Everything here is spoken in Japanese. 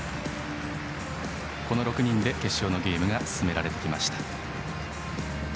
この６人で決勝のゲームが進められてきました。